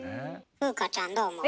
風花ちゃんどう思う？